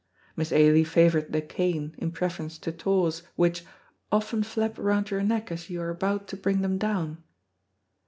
Miss Ailie favored the cane in preference to tawse, which, "often flap round your neck as yon are about to bring them down."